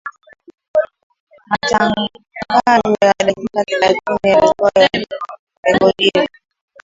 Matangazo ya dakika thelathini yaliyokuwa yamerekodiwa